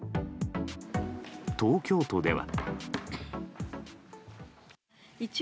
東京都では。